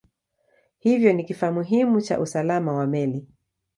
Hivyo ni kifaa muhimu cha usalama wa meli.